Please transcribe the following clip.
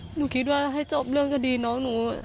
หนูคิดว่าให้จบเรื่องคดีน้องหนู